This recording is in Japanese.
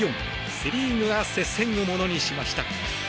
セ・リーグが接戦をものにしました。